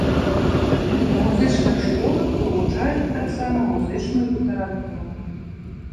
У музычных школах вывучаюць таксама музычную літаратуру.